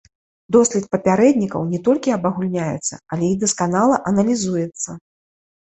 Дослед папярэднікаў не толькі абагульняецца, але і дасканала аналізуецца.